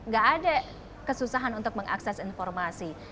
gak ada kesusahan untuk mengakses informasi